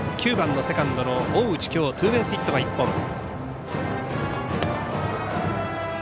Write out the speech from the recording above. ９番のセカンドの大内きょうツーベースヒットが１本。